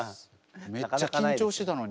めっちゃ緊張してたのに。